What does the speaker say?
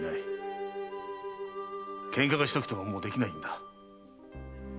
喧嘩がしたくてももうできないんだ。